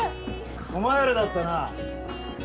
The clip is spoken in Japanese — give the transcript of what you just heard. お前らだったな。